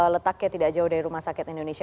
letaknya tidak jauh dari rumahnya